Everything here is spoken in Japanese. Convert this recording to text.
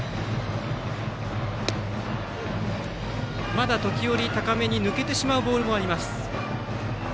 まだ時折、高めに抜けてしまうボールもあります。